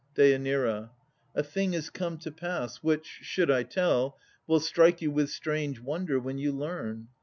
DÊ. A thing is come to pass, which should I tell, Will strike you with strange wonder when you learn.